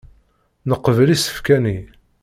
Neqbel isefka-nni.